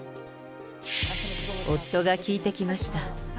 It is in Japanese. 夫が聞いてきました。